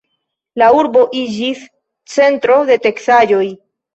La urbo iĝis centro de teksaĵoj.